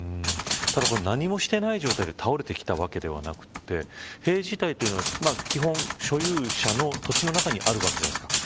ただ何もしていない状態で倒れてきたわけではなくて塀自体は基本、所有者の土地の中にあるわけじゃないですか。